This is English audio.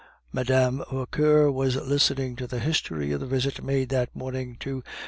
Mme. Vauquer was listening to the history of the visit made that morning to M.